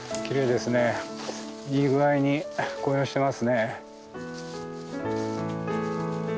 いい具合に紅葉してますね。